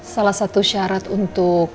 salah satu syarat untuk